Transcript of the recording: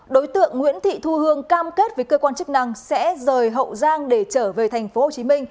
đối tượng nguyễn thị thu hương cam kết với cơ quan chức năng sẽ rời hậu giang để trở về tp hcm